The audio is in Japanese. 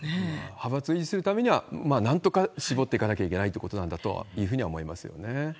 派閥にするためには、なんとか絞っていかなきゃいけないということなんだと思いますよね。